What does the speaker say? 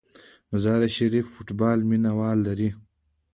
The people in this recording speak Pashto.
مزار شریف کې فوټبال مینه وال لري.